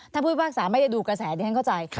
ถ้าพูดแบบศาสตร์ไม่ได้ดูกระแสเนี่ยฉันเข้าใจ